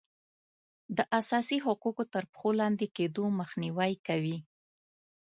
د اساسي حقوقو تر پښو لاندې کیدو مخنیوی کوي.